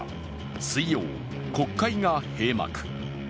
水曜、国会が閉幕。